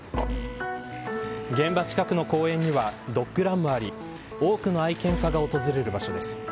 現場近くの公園にはドッグランもあり多くの愛犬家が訪れる場所です。